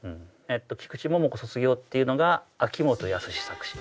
菊池桃子「卒業」っていうのが秋元康作詞。